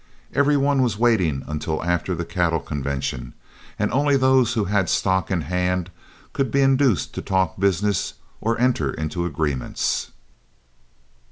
Every one was waiting until after the cattle convention, and only those who had the stock in hand could be induced to talk business or enter into agreements.